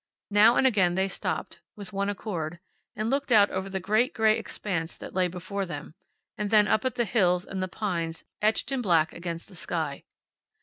Now and again they stopped, with one accord, and looked out over the great gray expanse that lay before them, and then up at the hills and the pines etched in black against the sky.